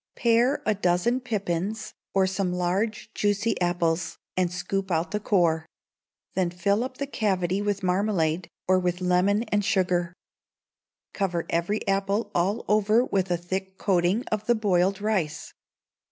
Pare a dozen pippins, or some large juicy apples, and scoop out the core; then fill up the cavity with marmalade, or with lemon and sugar. Cover every apple all over with a thick coating of the boiled rice.